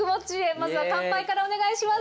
まずは、乾杯からお願いします。